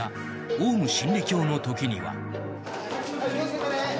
オウム真理教の時には。